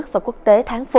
và các hình ảnh